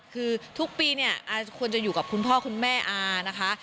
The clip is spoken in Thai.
คือทุกปีเนี่ยอาควรจะอยู่กับคุณพ่อคุณแม่อานะคะ